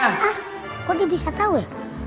hah kok dia bisa tau ya